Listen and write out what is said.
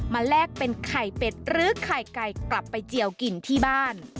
แลกเป็นไข่เป็ดหรือไข่ไก่กลับไปเจียวกินที่บ้าน